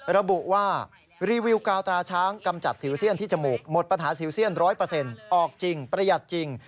ระบุว่ารีวิวกาวตราช้างกำจัดสิวเซียนที่จมูกหมดปัญหาสิวเซียน๑๐๐ออกจริงประหยัดจริง